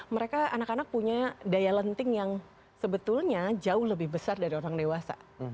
mereka anak anak punya daya lenting yang sebetulnya jauh lebih besar dari orang dewasa